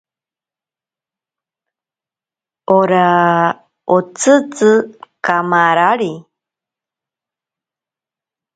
Ora otsitzi kamarari.